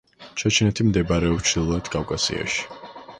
ჩეჩნეთი მდებარეობს ჩრდილოეთ კავკასიაში.